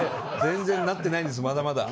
全然なってないんですまだまだ。